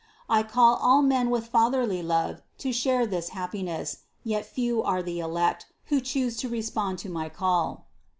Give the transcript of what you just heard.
I call all men with fatherly love to share this happiness, yet few are the elect, who choose to respond to my call."